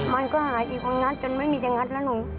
มันก็หายอีกมาร่างงั้นจนไม่มีจังงี้ละนู